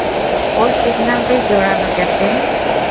ওর signal বেশ জোরালো, captain.